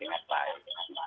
nah itu memang